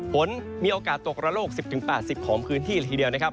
ฝนมีโอกาสตกระโลก๑๐๘๐ของพื้นที่ละทีเดียวนะครับ